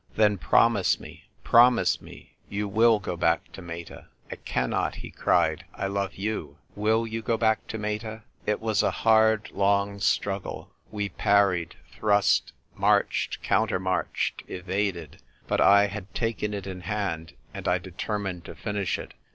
" Then promise me, promise me, you will go back to Meta." " I cannot !" he cried. " I love you." " Will you go back to Meta ?" It was a hard, long struggle. We parried, thrust, marched, countermarched, evaded; but I had taken it in hand, and I determined to finish it.